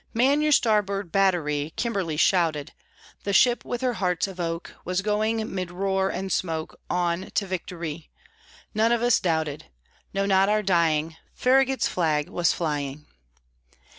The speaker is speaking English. "Man your starboard battery!" Kimberly shouted; The ship, with her hearts of oak, Was going, 'mid roar and smoke, On to victory; None of us doubted, No, not our dying Farragut's Flag was flying!